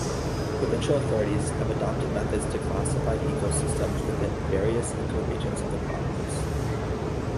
Provincial authorities have adopted methods to classify ecosystems within various ecoregions of the province.